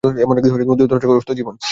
এমন এক দুর্দশাগ্রস্ত জীবন।